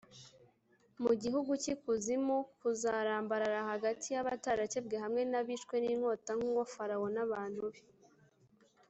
mu gihugu cy ikuzimu k Uzarambarara hagati y abatarakebwe hamwe n abishwe n inkota Nguwo Farawo n abantu be